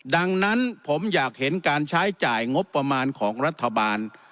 ดังนั้นผมอยากเห็นการใช้จ่ายงบประมาณของรัฐบาล